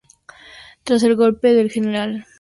Tras el golpe, el Gral.